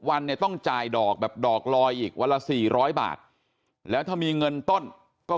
วันเนี่ยต้องจ่ายดอกแบบดอกลอยอีกวันละ๔๐๐บาทแล้วถ้ามีเงินต้นก็